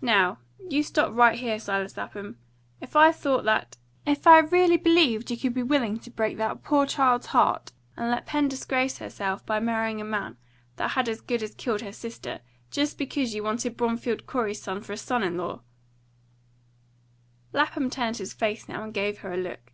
"Now, you stop right here, Silas Lapham! If I thought that if I really believed you could be willing to break that poor child's heart, and let Pen disgrace herself by marrying a man that had as good as killed her sister, just because you wanted Bromfield Corey's son for a son in law " Lapham turned his face now, and gave her a look.